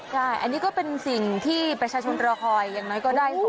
ใช่อันนี้ก็เป็นสิ่งที่ประชาชนรอคอยอย่างน้อยก็ได้